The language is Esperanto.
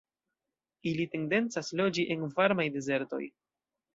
Ili tendencas loĝi en varmaj dezertoj.